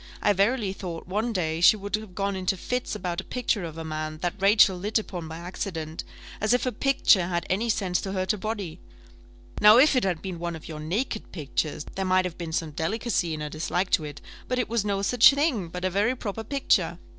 I verily thought, one day, she would have gone into fits about a picture of a man, that Rachel lit upon by accident, as if a picture had any sense to hurt a body! Now if it had been one of your naked pictures, there might have been some delicacy in her dislike to it; but it was no such thing, but a very proper picture.